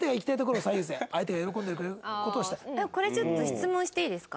これちょっと質問していいですか？